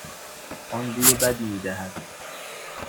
آن بوی بدی میدهد.